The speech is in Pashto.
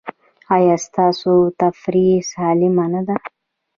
ایا ستاسو تفریح سالمه نه ده؟